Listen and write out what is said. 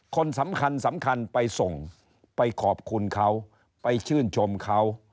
คนสำคัญสำคัญไปส่งไปขอบคุณเขาไปชื่นชมเขา